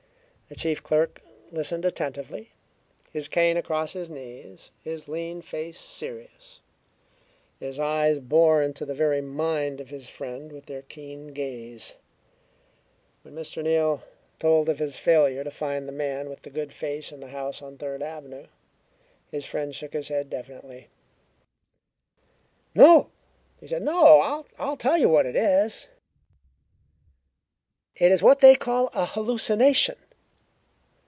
The chief clerk listened attentively, his cane across his knees, his lean face serious. His eyes bored into the very mind of his friend with their keen gaze. When Mr. Neal told of his failure to find the man with the good face in the house on Third Avenue, his friend shook his head definitely. "No!" he said. "No! I'll tell you what it is: it is what they call a hallucination."